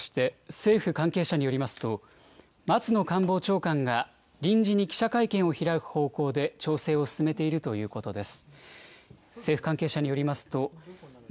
政府関係者によりますと、松野官房長官が臨時に記者会見を開く方向で、調整を進めているということです。